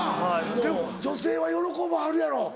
でも女性は喜ばはるやろ。